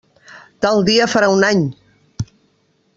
Tal dia farà un any!